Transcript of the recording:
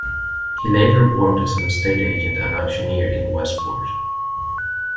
He later worked as an estate agent and auctioneer in Westport.